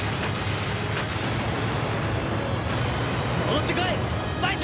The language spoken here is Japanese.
戻ってこい！